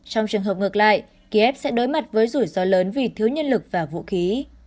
trong trường hợp ngược lại kiev sẽ đối mặt với rủi ro lớn vì thiếu nhân lực và vũ khí